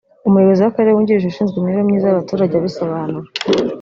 Umuyobozi w’akarere wungirije ushinzwe imibereho myiza y’abaturage abisobanura